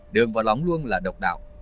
đường vào lóng luông là độc đạo